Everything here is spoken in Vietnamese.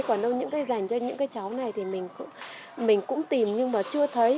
còn đâu những cái dành cho những cái cháu này thì mình cũng tìm nhưng mà chưa thấy